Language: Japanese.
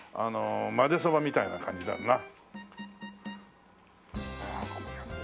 まぜそばみたいな感じだよな。